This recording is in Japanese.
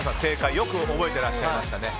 よく覚えていらっしゃいましたね。